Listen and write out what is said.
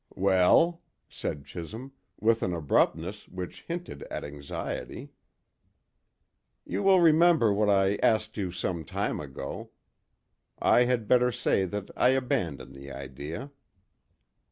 "Well?" said Chisholm, with an abruptness which hinted at anxiety. "You will remember what I asked you some time ago. I had better say that I abandon the idea."